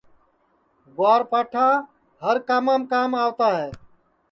گُوار پاٹھا ہر کامام کام آوتا ہے